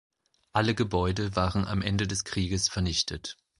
Alle Gebäude waren am Ende des Krieges vernichtet.